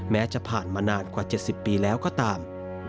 จะผ่านมานานกว่า๗๐ปีแล้วก็ตาม